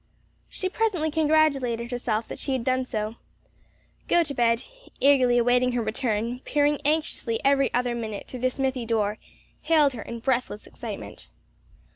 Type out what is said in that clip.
She presently congratulated herself that she had done so. Gotobed, eagerly awaiting her return, peering anxiously every other minute through the smithy door, hailed her in breathless excitement.